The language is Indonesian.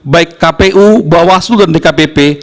baik kpu bawaslu dan dkpp